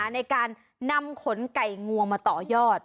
ในการนำขนไก่งวงมาต่อยอด